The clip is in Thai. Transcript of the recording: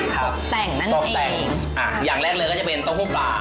ครับตบแต่งนั่นเองอ่ะอย่างแรกเลยก็จะเป็นโต๊ะหู้ปลา